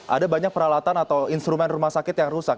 ada banyak peralatan atau instrumen rumah sakit yang rusak